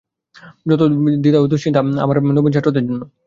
যত দ্বিধা ও দুশ্চিন্তা সে দেখি আমাদের নবীন ছাত্রদের।